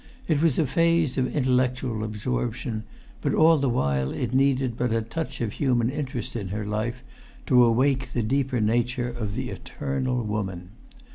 It was a phase of intellectual absorption, but all the while it needed but a touch of human interest in her life to awake the deeper nature of the eternal woman.